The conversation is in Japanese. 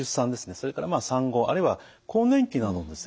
それからまあ産後あるいは更年期などのですね